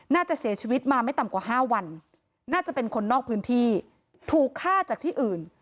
น่าจะเสียชีวิตมาไม่ต่ำกว่า๕วันน่าจะเป็นคนนอกพื้นที่ถูกฆ่าจากที่อื่น